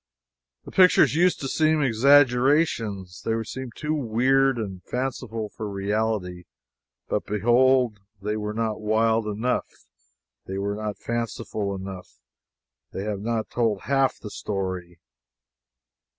The pictures used to seem exaggerations they seemed too weird and fanciful for reality. But behold, they were not wild enough they were not fanciful enough they have not told half the story.